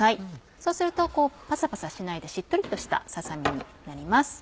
そうするとパサパサしないでしっとりとしたささ身になります。